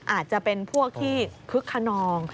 อาจจะเป็นพวกที่คึกขนอง